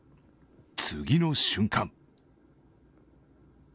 次の瞬間